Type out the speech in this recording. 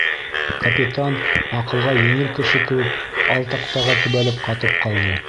Капитан аҡылға еңел кеше кеүек алтаҡтаға төбәлеп ҡатып ҡалды.